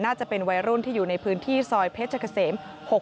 จะเป็นวัยรุ่นที่อยู่ในพื้นที่ซอยเพชรเกษม๖๖